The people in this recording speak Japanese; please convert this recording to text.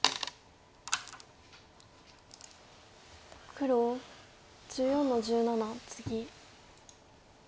黒１４の十七ツギ。